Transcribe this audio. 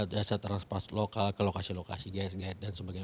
jasa transport lokal ke lokasi lokasi dan sebagainya